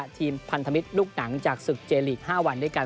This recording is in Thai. พันธมิตรลูกหนังจากศึกเจลีก๕วันด้วยกัน